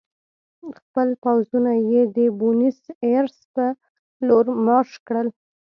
خپل پوځونه یې د بونیس ایرس په لور مارش کړل.